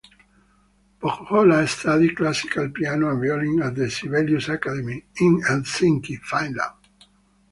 Pohjola studied classical piano and violin at the Sibelius Academy in Helsinki, Finland.